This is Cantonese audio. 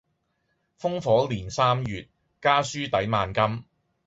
烽火連三月，家書抵萬金